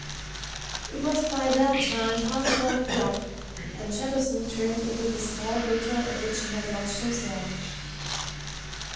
It was by that time past one o'clock, and Jettison turned into the small hotel at which he had lodged himself.